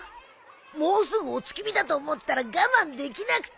もうすぐお月見だと思ったら我慢できなくて。